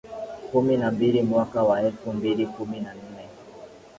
Kumi na mbili mwaka wa elfu mbili kumi na nne